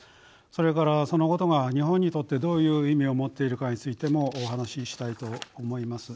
それからそのことが日本にとってどういう意味を持っているかについてもお話ししたいと思います。